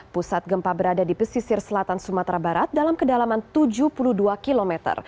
pusat gempa berada di pesisir selatan sumatera barat dalam kedalaman tujuh puluh dua km